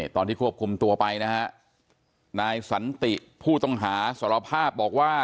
ตอนที่ควบคุมตัวไปนะฮะนายสันติผู้ต้องหาสารภาพบอกว่า